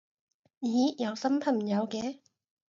咦有新朋友嘅